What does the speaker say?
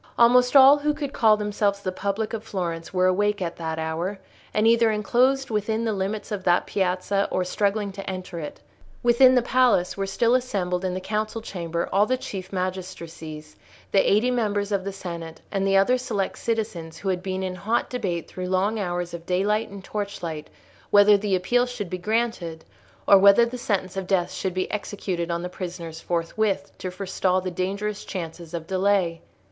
Almost all who could call themselves the public of Florence were awake at that hour, and either enclosed within the limits of that piazza, or struggling to enter it. Within the palace were still assembled in the council chamber all the chief magistracies, the eighty members of the senate, and the other select citizens who had been in hot debate through long hours of daylight and torchlight whether the Appeal should be granted or whether the sentence of death should be executed on the prisoners forthwith, to forestall the dangerous chances of delay.